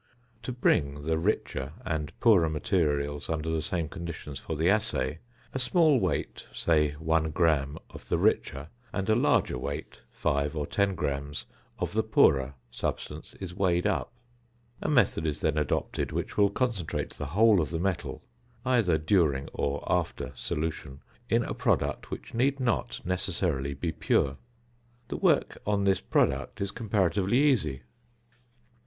To bring the richer and poorer materials under the same conditions for the assay, a small weight, say 1 gram of the richer, and a larger weight (5 or 10 grams) of the poorer, substance is weighed up. A method is then adopted which will concentrate the whole of the metal (either during or after solution) in a product which need not necessarily be pure. The work on this product is comparatively easy.